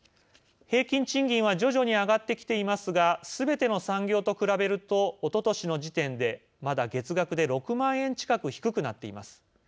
平均賃金は徐々に上がってきていますがすべての産業と比べるとおととしの時点で、まだ月額で６万円近く低くなっています。